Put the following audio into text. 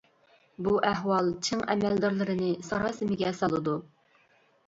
بۇ ئەھۋال چىڭ ئەمەلدارلىرىنى ساراسىمىگە سالىدۇ.